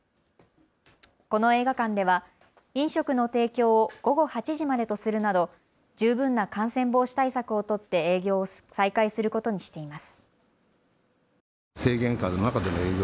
この映画館では飲食の提供を午後８時までとするなど十分な感染防止対策を取って営業を再開することにしています。